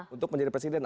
untuk menjadi presiden